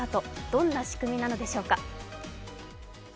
どんな仕組みなのでしょうか。